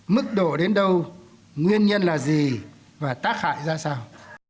mức độ đến đâu nguyên nhân là gì và tác hại ra sao